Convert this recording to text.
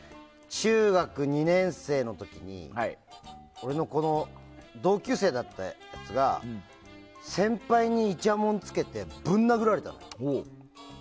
中学２年生の時に俺の同級生だったやつが先輩にいちゃもんをつけてぶん殴られたの。